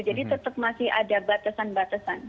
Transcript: jadi tetap masih ada batasan batasan